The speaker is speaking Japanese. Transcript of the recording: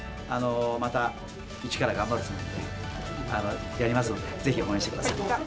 また、一から頑張るつもりでやりますので、ぜひ応援してください。